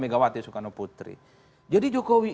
megawati soekarno putri jadi jokowi